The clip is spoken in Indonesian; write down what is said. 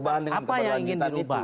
rakyat itu kira kira apa yang ingin diubah